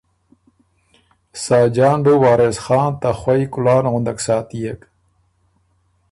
ساجان بُو وارث خان ته خوئ کلان غُندک ساتئېک۔